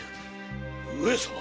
上様！